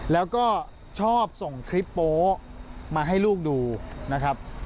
แล้วก็ชอบส่งคลิปโป๊มาให้ลูกดูนะครับ